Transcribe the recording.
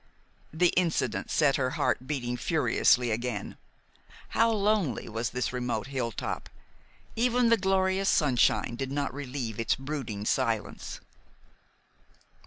The incident set her heart beating furiously again. How lonely was this remote hilltop! Even the glorious sunshine did not relieve its brooding silence.